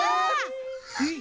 えっ？